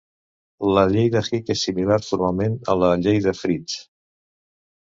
La llei de Hick és similar formalment a la llei de Fitts.